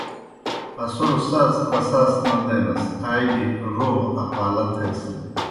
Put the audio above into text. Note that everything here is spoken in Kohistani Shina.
اسوڑ ساز قصاص نہ دینَس آ گیْ روغ اقالہ تھیسَن۔